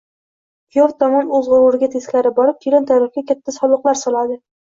Kuyov tomon o‘z g‘ururiga teskari borib, kelin tarafga katta soliqlar soladi.